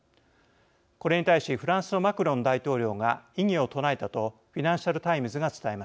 これに対しフランスのマクロン大統領が異議を唱えたとフィナンシャル・タイムズが伝えました。